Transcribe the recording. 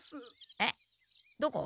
えっどこ？